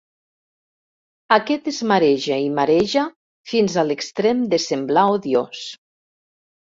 Aquest es mareja i mareja fins a l'extrem de semblar odiós.